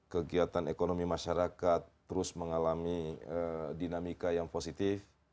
kegiatan ekonomi masyarakat terus mengalami dinamika yang positif